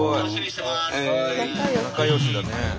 仲よしだね。